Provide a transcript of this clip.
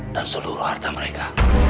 dan seluruh harta mereka